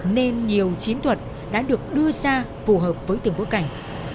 nên nhiều chiến thuật đã được đưa ra phù hợp với từng bối cảnh